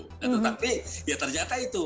tetapi ya ternyata itu